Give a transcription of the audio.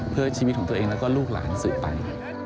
เพื่อชีวิตของตัวเองแล้วก็ลูกหลานสืบไป